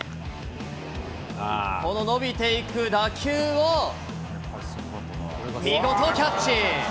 この伸びていく打球を、見事キャッチ。